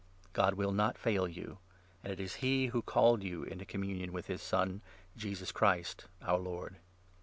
God will not fail you, and it is he who 9 called you into communion with his Son, Jesus Christ, our Lord.